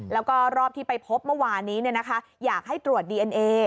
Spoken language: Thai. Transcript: แล้วก็รอบที่ไปพบเมื่อวานนี้อยากให้ตรวจดีเอ็นเอ